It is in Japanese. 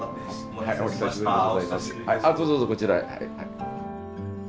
どうぞどうぞこちらへ。